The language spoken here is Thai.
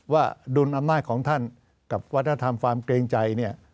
ดุลอำนาจของท่านกับวัฒนธรรมความเกรงใจเนี่ย